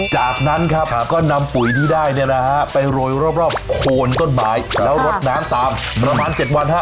จากนั้นครับก็นำปุ๋ยที่ได้เนี่ยนะฮะไปโรยรอบโคนต้นไม้แล้วรดน้ำตามประมาณ๗วันฮะ